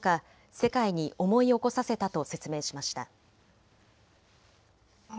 世界に思い起こさせたと説明しました。